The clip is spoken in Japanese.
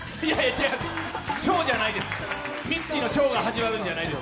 ショーじゃないです。